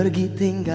kami akan mencoba